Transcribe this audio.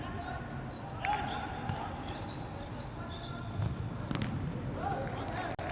สวัสดีครับทุกคน